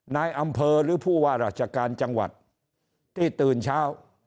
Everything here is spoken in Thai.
นายอำเภอหรือผู้ว่าราชการจังหวัดที่ตื่นเช้า